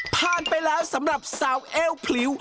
ผ่านไปแล้วสำหรับสาวเอวพลิ้ว